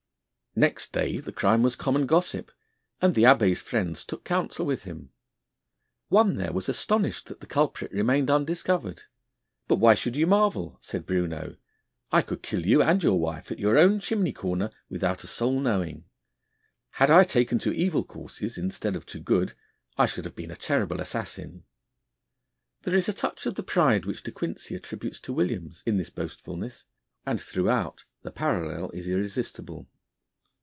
Next day the crime was common gossip, and the Abbé's friends took counsel with him. One there was astonished that the culprit remained undiscovered. 'But why should you marvel?' said Bruneau. 'I could kill you and your wife at your own chimney corner without a soul knowing. Had I taken to evil courses instead of to good I should have been a terrible assassin.' There is a touch of the pride which De Quincey attributes to Williams in this boastfulness, and throughout the parallel is irresistible.